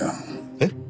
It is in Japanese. えっ？